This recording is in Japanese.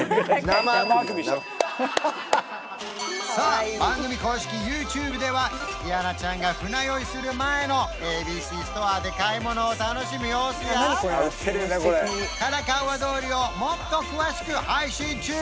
生あくびださあ番組公式ＹｏｕＴｕｂｅではキアナちゃんが船酔いする前のＡＢＣストアで買い物を楽しむ様子やカラカウア通りをもっと詳しく配信中！